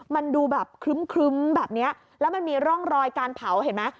มันดูแบบครึ้มแบบนี้แล้วมันมีร่องรอยการเผาเห็นไหม